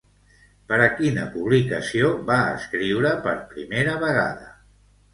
Per a quina publicació va escriure per primera vegada?